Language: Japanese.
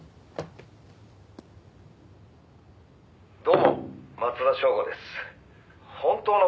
「どうも松田省吾です」